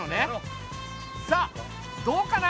さあどうかな？